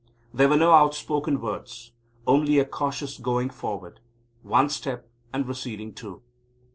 There were no outspoken words, only a cautious going forward one step and receding two.